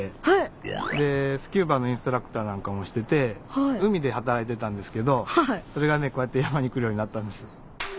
えっ！？でスキューバのインストラクターなんかもしてて海で働いてたんですけどそれがねこうやって山に来るようになったんです。